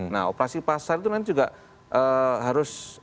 nah operasi pasar itu nanti juga harus